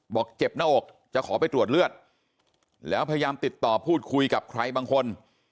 บอกเจ็บหน้าอกจะขอไปตรวจเลือดแล้วพยายามติดต่อพูดคุยกับใครบางคน